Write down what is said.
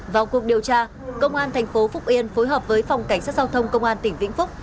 vào cuộc điều tra công an thành phố phúc yên phối hợp với phòng cảnh sát giao thông công an tỉnh vĩnh phúc